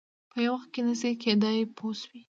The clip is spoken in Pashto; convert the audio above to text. په یو وخت کې نه شي کېدای پوه شوې!.